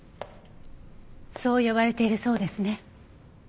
そう呼ばれているそうですね。